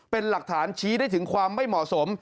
เป็นหลักฐานชี้ได้ถึงความไม่เหมาะสม